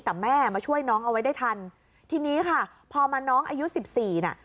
แต่แม่มาช่วยน้องเอาไว้ได้ทันทีนี้ค่ะพอมาน้องอายุสิบสี่น่ะ